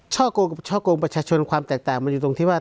ช่อโกงกับช่อโกงประชาชนความแตกต่างมันอยู่ตรงที่ว่า